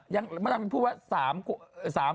ยังมาตราบพูดว่า๓คน